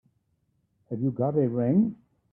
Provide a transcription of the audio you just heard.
Have you got a ring?